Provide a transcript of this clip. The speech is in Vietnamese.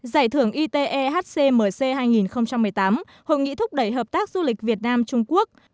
giải thưởng ite hcmc hai nghìn một mươi tám hội nghị thúc đẩy hợp tác du lịch việt nam trung quốc